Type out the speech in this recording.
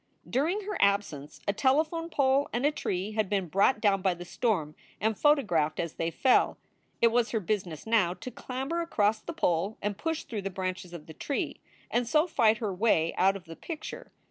During her absence a telephone pole and a tree had been brought down by the storm and photographed as they fell. It was her business now to clamber across the pole and push through the branches of the tree, and so fight her way out of the picture.